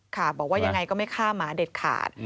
บอกว่ายังไงก็ไม่ฆ่าหมาเด็ดขาด